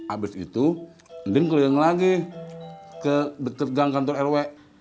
abis itu kemudian keliling lagi ke dekat gang kantor rw